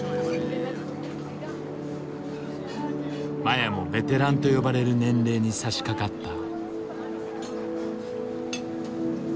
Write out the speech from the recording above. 麻也もベテランと呼ばれる年齢にさしかかった。